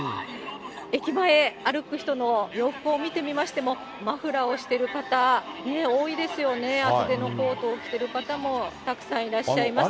駅前歩く人の洋服を見てみましても、マフラーをしている方、多いですよね、厚手のコートを着ている方もたくさんいらっしゃいます。